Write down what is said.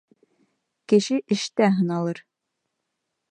Кеше эштә һыналыр.